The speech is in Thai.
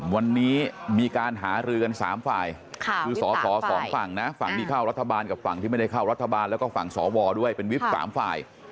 วันนี้มีการหารือกัน๓ฝ่ายคือสอสอสองฝั่งนะฝั่งที่เข้ารัฐบาลกับฝั่งที่ไม่ได้เข้ารัฐบาลแล้วก็ฝั่งสวด้วยเป็นวิบ๓ฝ่าย